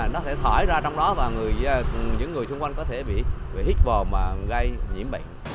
nó sẽ thổi ra trong đó và những người xung quanh có thể bị hít vòm gây nhiễm